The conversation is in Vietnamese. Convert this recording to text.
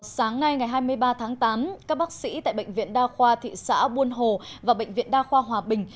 sáng nay ngày hai mươi ba tháng tám các bác sĩ tại bệnh viện đa khoa thị xã buôn hồ và bệnh viện đa khoa hòa bình